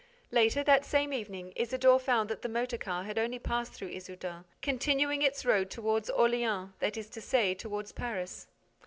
Lastly, that same evening, Isidore found out that the motor car had only passed through Issoudun, continuing its road toward Orleans, that is to say, toward Paris.